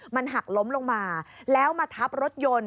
มันหักล้มลงมาแล้วมาทับรถยนต์